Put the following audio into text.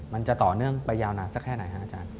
มันจะต่อเนื่องไปยาวนานสักแค่ไหนฮะอาจารย์